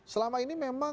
selama ini memang